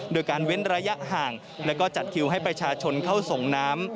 โดยการเว้นระยะห่างและก็จัดคิวให้ประชาชนเข้าส่งน้ำ